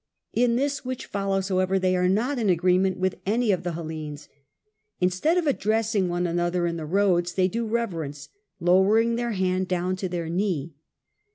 In this which follows however they are not in agreement with any of the Hellenes, instead of addressing one another in the roads they do reverence, lowering their hand down to their knee.